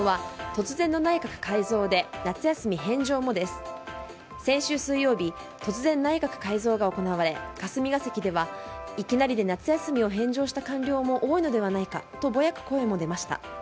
突然、内閣改造が行われ霞が関ではいきなりで夏休みを返上した官僚も多いのではないかとぼやく声も出ました。